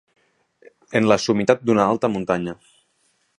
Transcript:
En la summitat d'una alta muntanya.